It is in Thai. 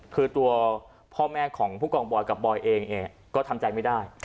คือตัวพ่อแม่ของผู้กองบอยกับบอยเองเนี่ยก็ทำใจไม่ได้